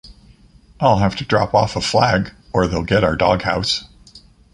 I'll have to drop off a flag, or they'll get our doghouse.